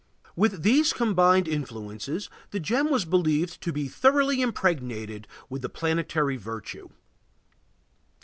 With these combined influences the gem was believed to be thoroughly impregnated with the planetary virtue.